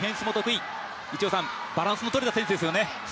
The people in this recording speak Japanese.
バランスの取れた選手ですよね。